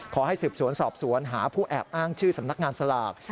ขอให้สืบสวนสอบสวนหาผู้แอบอ้างชื่อสำนักงานสลาก